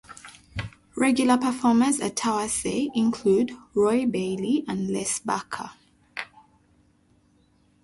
Regular performers at Towersey include Roy Bailey and Les Barker.